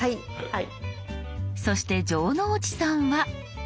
そして城之内さんは。